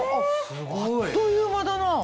あっという間だな。